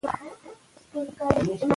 خاص امر به نه صادریږي.